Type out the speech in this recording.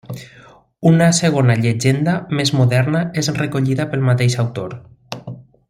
Una segona llegenda, més moderna, és recollida pel mateix autor.